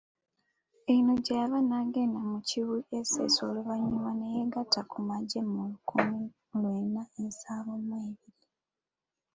Eno gyeyava nagenda mu Kibuli SS oluvanyuma neyeegatta ku magye mu lukumi lwenda nsanvu mwe ebiri.